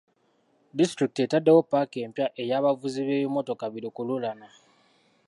Disitulikiti etaddewo paaka empya ey'abavuzi b'ebimotoka bi lukululana.